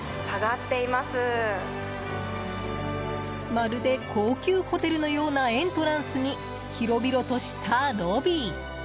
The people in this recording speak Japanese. まるで高級ホテルのようなエントランスに広々としたロビー。